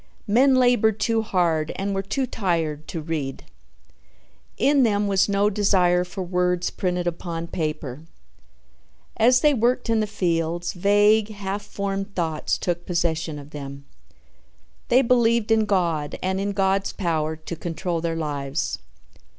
Men labored too hard and were too tired to read. In them was no desire for words printed upon paper. As they worked in the fields, vague, half formed thoughts took possession of them. They believed in God and in God's power to control their lives.